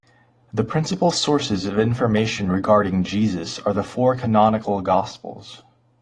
The principal sources of information regarding Jesus are the four canonical gospels.